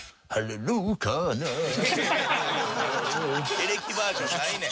エレキバージョンないねん。